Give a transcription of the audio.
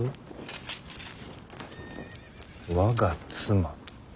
我が妻？